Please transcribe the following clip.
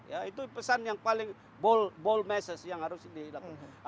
ya itu pesan yang paling ball message yang harus dilakukan